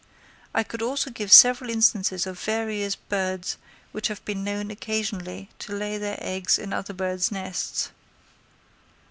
I could also give several instances of various birds which have been known occasionally to lay their eggs in other birds' nests.